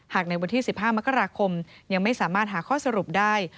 ในวันที่๑๕มกราคมยังไม่สามารถหาข้อสรุปได้